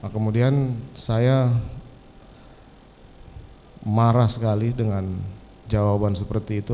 kemudian saya marah sekali dengan jawaban seperti itu